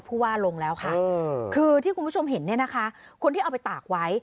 ผู้ว่าลงแล้วค่ะคือที่คุณผู้ชมเห็นเนี่ยนะคะคนที่เอาไปตากไว้